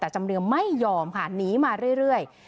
แต่จำเรียงไม่ยอมค่ะหนีมาเรื่อย